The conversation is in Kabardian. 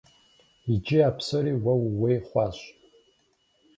Иджы а псори уэ ууей хъуащ.